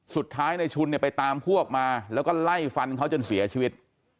สุดท้ายในชุนเนี่ยไปตามพวกมาแล้วก็ไล่ฟันเขาจนเสียชีวิต